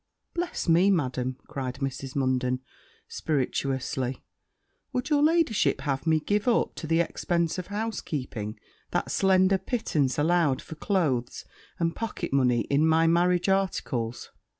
'Bless me, Madam!' cried Mrs. Munden, spiritously, 'would your ladyship have me give up, to the expence of housekeeping, that slender pittance allowed for cloaths and pocket money in my marriage articles?'